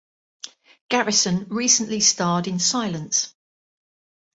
Garrison recently starred in Silence!